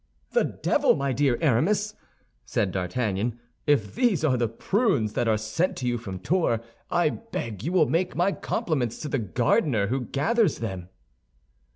"The devil! my dear Aramis," said D'Artagnan, "if these are the prunes that are sent to you from Tours, I beg you will make my compliments to the gardener who gathers them."